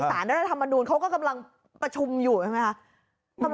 สารรัฐธรรมนูลเขาก็กำลังประชุมอยู่ใช่ไหมคะ